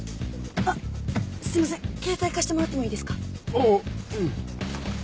ああうん。